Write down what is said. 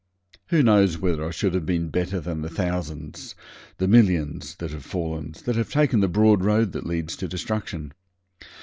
Who knows whether I should have been better than the thousands, the millions, that have fallen, that have taken the broad road that leads to destruction.